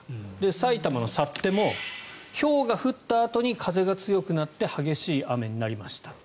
埼玉の幸手もひょうが降ったあとに風が強くなって激しい雨になりました。